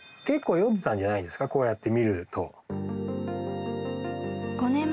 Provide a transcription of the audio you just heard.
結構読んでいたんじゃないですかこうやって見ると。